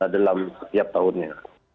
dalam setiap tahunnya